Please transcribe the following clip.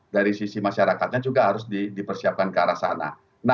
dari sisi masyarakatnya juga harus dipersiapkan ke arah sana